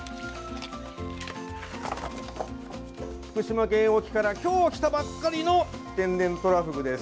福島県沖から今日来たばっかりの天然トラフグです。